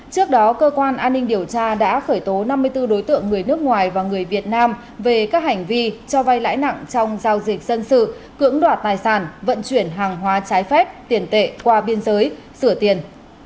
trước đó cơ quan an ninh điều tra đã khởi tố năm mươi bốn đối tượng người nước ngoài và người việt nam về các hành vi cho vay lãi nặng trong giao dịch dân sự cưỡng đoạt tài sản vận chuyển hàng hóa trái phép tiền tệ qua biên giới sửa tiền